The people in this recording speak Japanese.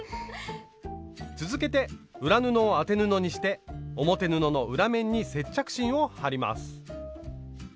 続けて裏布を当て布にして表布の裏面に接着芯を貼ります。